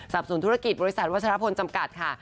สนธุรกิจบริษัทวัชรพลจำกัดค่ะ